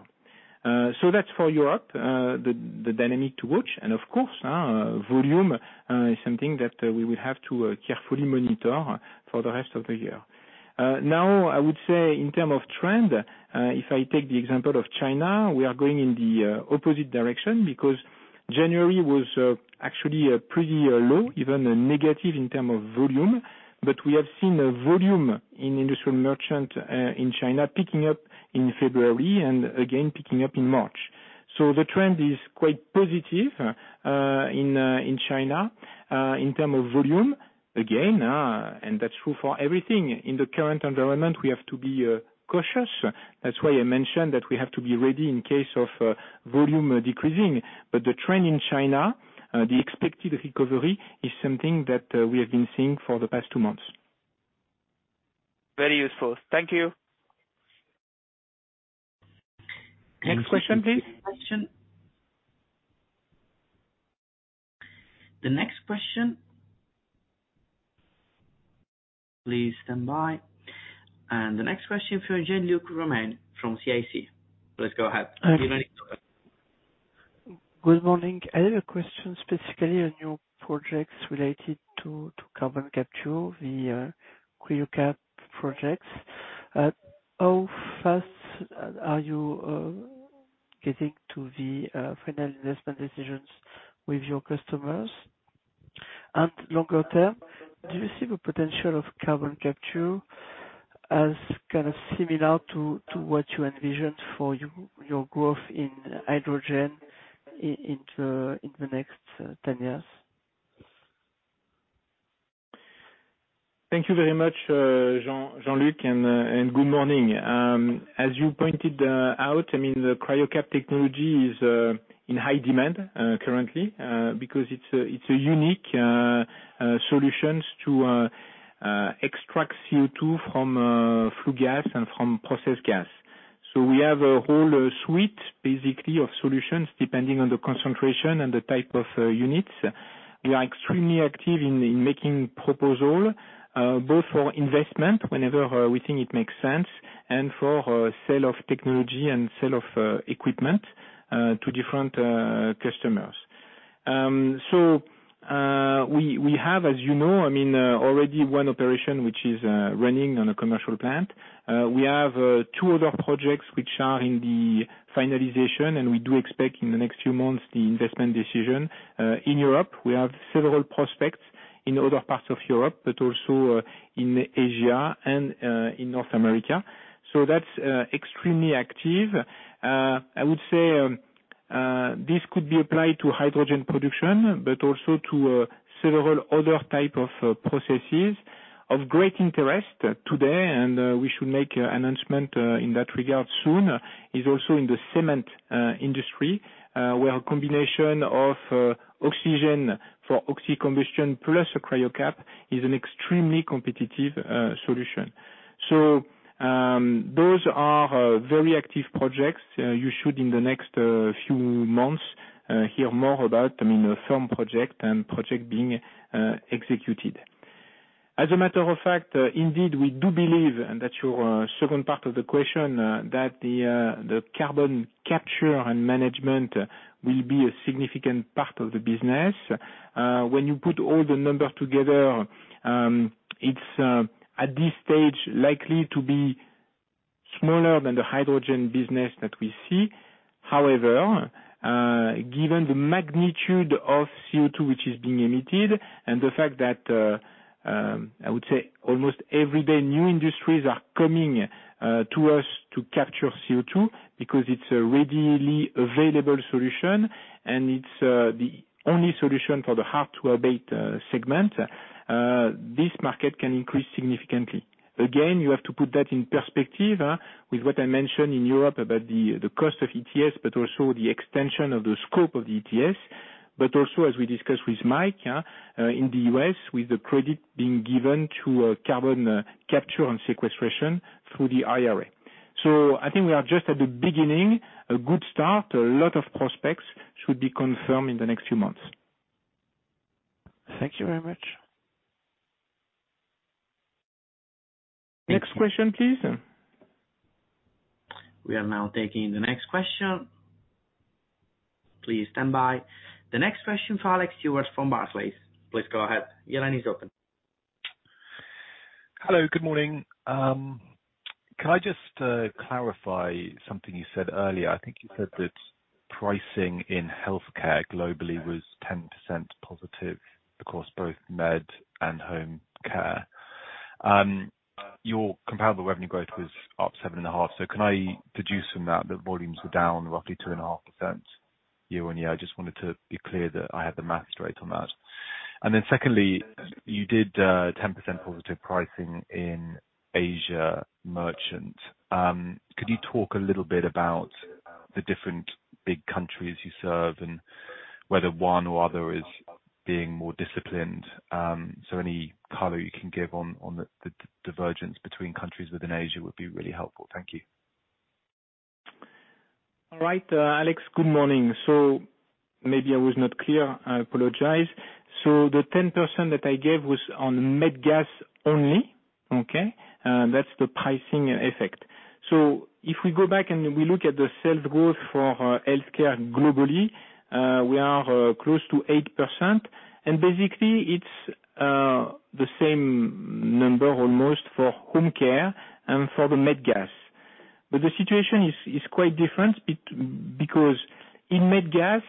So that's for Europe, the dynamic to watch and of course, volume is something that we will have to carefully monitor for the rest of the year. Now I would say in terms of trend, if I take the example of China, we are going in the opposite direction because January was actually pretty low, even negative in terms of volume. We have seen a volume in industrial merchant in China picking up in February and again picking up in March. The trend is quite positive in China in term of volume. Again, and that's true for everything in the current environment we have to be cautious. That's why I mentioned that we have to be ready in case of volume decreasing. The trend in China, the expected recovery is something that we have been seeing for the past two months. Very useful. Thank you. Next question, please. The next question. Please stand by. The next question from Jean-Luc Romain from CIC. Please go ahead. Your line is open. Good morning. I have a question specifically on your projects related to carbon capture, the Cryocap projects. How fast are you getting to the final investment decisions with your customers? Longer-term, do you see the potential of carbon capture as kind of similar to what you envisioned for your growth in hydrogen in the next 10 years? Thank you very much, Jean-Luc, and good morning. As you pointed out, I mean, the Cryocap technology is in high demand currently because it's a, it's a unique solutions to extract CO2 from flue gas and from processed gas. We have a whole suite basically of solutions depending on the concentration and the type of units. We are extremely active in making proposal both for investment whenever we think it makes sense and for sale of technology and sale of equipment to different customers. We have, as you know, I mean, already one operation which is running on a commercial plant. We have two other projects which are in the finalization, and we do expect in the next few months the investment decision. In Europe, we have several prospects in other parts of Europe, but also in Asia and in North America. That's extremely active. I would say this could be applied to hydrogen production, but also to several other type of processes of great interest today. We should make announcement in that regard soon, is also in the cement industry, where combination of oxygen for oxy-combustion plus a Cryocap™ is an extremely competitive solution. Those are very active projects. You should in the next few months hear more about, I mean, firm project and project being executed. As a matter of fact, indeed, we do believe and that your second part of the question, that the carbon capture and management will be a significant part of the business. When you put all the numbers together, it's at this stage likely to be smaller than the hydrogen business that we see. However, given the magnitude of CO2 which is being emitted and the fact that, I would say almost every day, new industries are coming to us to capture CO2 because it's a readily available solution and it's the only solution for the hard-to-abate segment, this market can increase significantly. Again, you have to put that in perspective, with what I mentioned in Europe about the cost of ETS, but also the extension of the scope of the ETS. As we discussed with Mike, in the U.S., with the credit being given to carbon capture and sequestration through the IRA. I think we are just at the beginning, a good start. A lot of prospects should be confirmed in the next few months. Thank you very much. Next question, please. We are now taking the next question. Please stand by. The next question for Alex Stewart from Barclays. Please go ahead. Your line is open. Hello, good morning. Can I just clarify something you said earlier? I think you said that pricing in healthcare globally was 10% positive across both med and home care. Your comparable revenue growth was up 7.5%. Can I deduce from that volumes were down roughly 2.5% year-on-year? I just wanted to be clear that I had the math straight on that. Secondly, you did 10% positive pricing in Asia merchant. Could you talk a little bit about the different big countries you serve and whether one or other is being more disciplined. Any color you can give on the divergence between countries within Asia would be really helpful. Thank you. All right. Alex, good morning. Maybe I was not clear. I apologize. The 10% that I gave was on med gas only, okay? That's the pricing effect. If we go back and we look at the sales growth for healthcare globally, we are close to 8%. Basically it's the same number almost for home care and for the med gas. The situation is quite different because in med gas,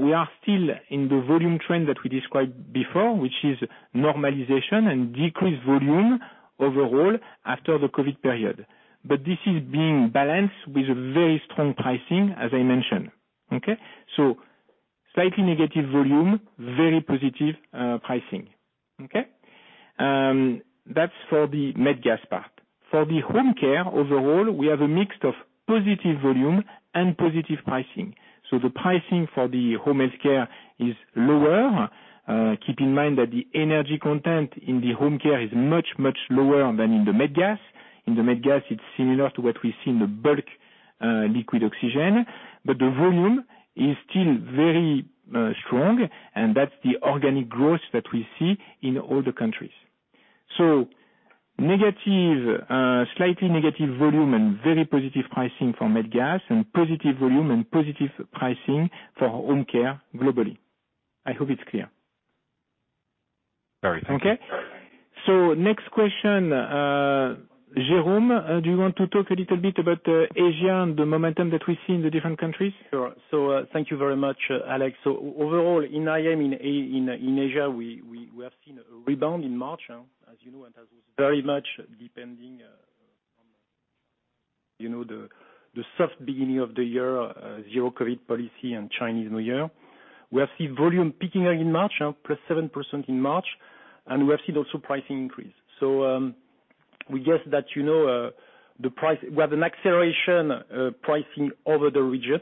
we are still in the volume trend that we described before, which is normalization and decreased volume overall after the COVID period. This is being balanced with very strong pricing, as I mentioned. Okay? Slightly negative volume, very positive pricing. Okay? That's for the med gas part. For the home care overall, we have a mix of positive volume and positive pricing. The pricing for the home health care is lower. Keep in mind that the energy content in the home care is much, much lower than in the med gas. In the med gas, it's similar to what we see in the bulk liquid oxygen, but the volume is still very strong, and that's the organic growth that we see in all the countries. Negative, slightly negative volume and very positive pricing for med gas and positive volume and positive pricing for home care globally. I hope it's clear. Very. Thank you. Okay. Next question, Jérôme, do you want to talk a little bit about Asia and the momentum that we see in the different countries? Sure. Thank you very much, Alex. Overall in IM in Asia, we have seen a rebound in March, as you know, and as very much depending, you know, the soft beginning of the year, zero COVID-19 policy and Chinese New Year. We have seen volume peaking in March, plus 7% in March, and we have seen also pricing increase. We guess that, you know, the price we have an acceleration, pricing over the rigid.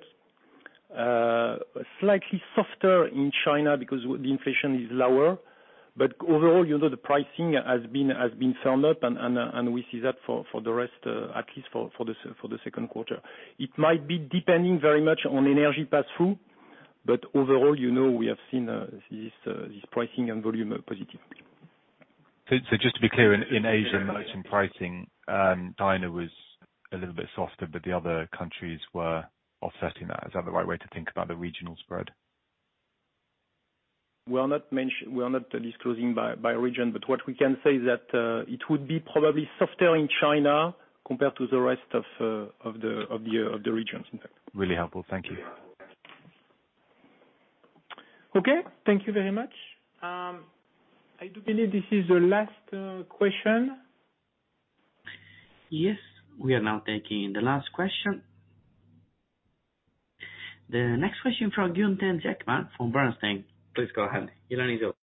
Slightly softer in China because the inflation is lower. Overall, you know, the pricing has been firmed up, and we see that for the rest, it least for the second quarter. It might be depending very much on energy pass through, but overall, you know, we have seen this pricing and volume positive. just to be clear, in Asia, in pricing, China was a little bit softer, but the other countries were offsetting that. Is that the right way to think about the regional spread? We are not disclosing by region, but what we can say is that it would be probably softer in China compared to the rest of the regions. Really helpful. Thank you. Okay. Thank you very much. I do believe this is the last question. Yes, we are now taking the last question. The next question from Gunther Zechmann from Bernstein. Please go ahead. You're on mute.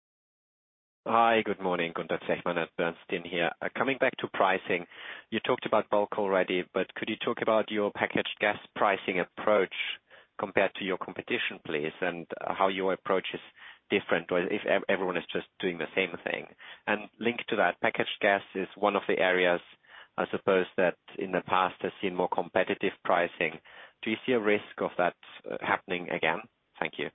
Hi, good morning. Gunther Zechmann at Bernstein here. Coming back to pricing, you talked about bulk already, but could you talk about your packaged gas pricing approach compared to your competition, please, and how your approach is different or if everyone is just doing the same thing? Linked to that, packaged gas is one of the areas, I suppose, that in the past has seen more competitive pricing. Do you see a risk of that happening again? Thank you.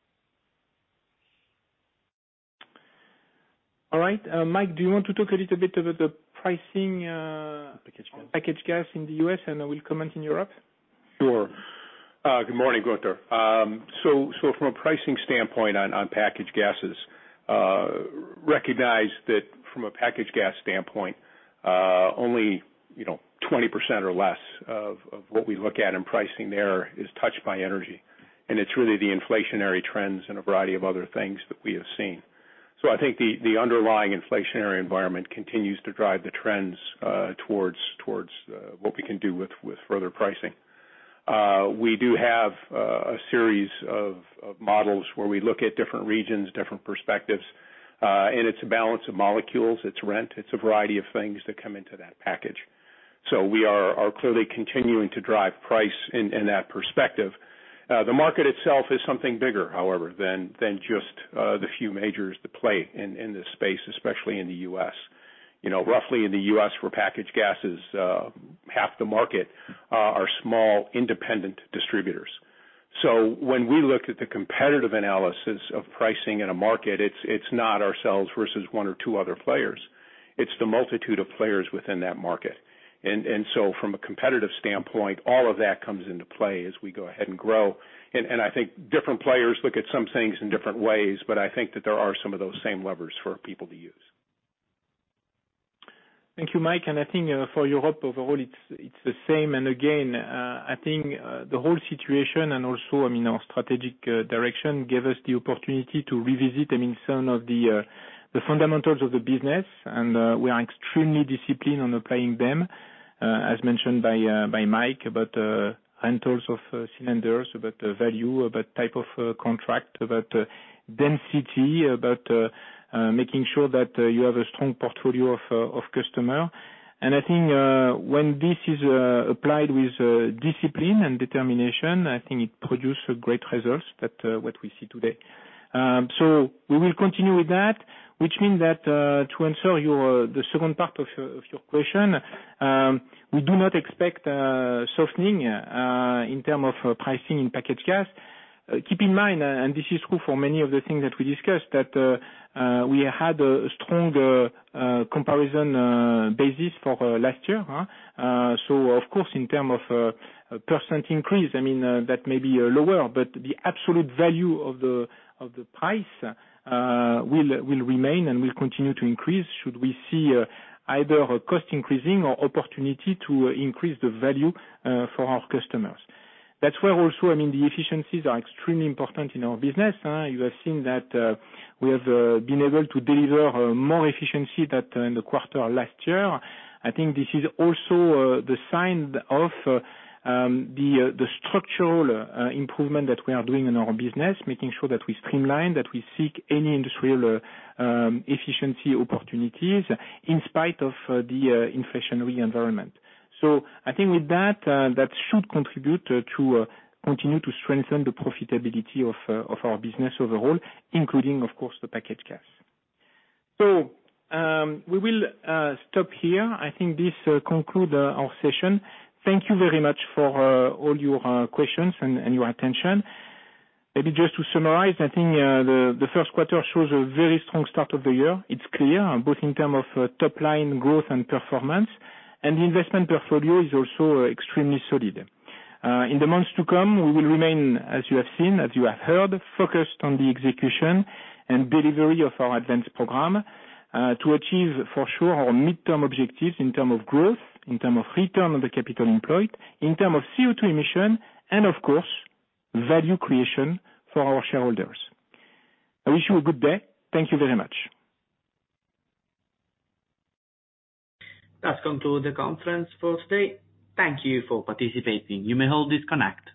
All right. Mike, do you want to talk a little bit about the pricing? Package gas. package gas in the U.S., and I will comment in Europe. Sure. Good morning, Gunther. So from a pricing standpoint on packaged gases, recognize that from a packaged gas standpoint, only, you know, 20% or less of what we look at in pricing there is touched by energy, and it's really the inflationary trends and a variety of other things that we have seen. I think the underlying inflationary environment continues to drive the trends towards what we can do with further pricing. We do have a series of models where we look at different regions, different perspectives, and it's a balance of molecules, it's rent, it's a variety of things that come into that package. We are clearly continuing to drive price in that perspective. The market itself is something bigger, however, than just the few majors that play in this space, especially in the U.S. You know, roughly in the U.S., for packaged gases, half the market are small independent distributors. When we look at the competitive analysis of pricing in a market, it's not ourselves versus 1 or 2 other players. It's the multitude of players within that market. From a competitive standpoint, all of that comes into play as we go ahead and grow. I think different players look at some things in different ways, but I think that there are some of those same levers for people to use. Thank you, Mike. I think, for Europe overall it's the same. Again, I think, the whole situation and also, I mean, our strategic direction gave us the opportunity to revisit, I mean, some of the fundamentals of the business, we are extremely disciplined on applying them, as mentioned by Mike about rentals of cylinders, about value, about type of contract, about density, about making sure that you have a strong portfolio of customer. I think, when this is applied with discipline and determination, I think it produce a great results that what we see today. We will continue with that, which means that, to answer your, the second part of your, of your question, we do not expect softening in term of pricing in packaged gas. Keep in mind, and this is true for many of the things that we discussed, that we had a stronger comparison basis for last year, huh. Of course, in term of a percent increase, I mean, that may be lower, but the absolute value of the price will remain and will continue to increase should we see either a cost increasing or opportunity to increase the value for our customers. That's where also, I mean, the efficiencies are extremely important in our business, huh. You have seen that we have been able to deliver more efficiency that in the quarter last year. I think this is also the sign of the structural improvement that we are doing in our business, making sure that we streamline, that we seek any industrial efficiency opportunities in spite of the inflationary environment. I think with that should contribute to continue to strengthen the profitability of our business overall, including, of course, the packaged gas. We will stop here. I think this conclude our session. Thank you very much for all your questions and your attention. Maybe just to summarize, I think the first quarter shows a very strong start of the year. It's clear, both in terms of top line growth and performance. The investment portfolio is also extremely solid. In the months to come, we will remain, as you have seen, as you have heard, focused on the execution and delivery of our ADVANCE program, to achieve for sure our midterm objectives in terms of growth, in terms of return on the capital employed, in terms of CO2 emission, and of course, value creation for our shareholders. I wish you a good day. Thank you very much. That concludes the conference for today. Thank you for participating. You may all disconnect.